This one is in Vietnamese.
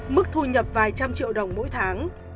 mức thu nhập vài trăm triệu đồng mỗi tháng